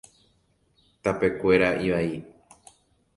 Tapekuéra ivai.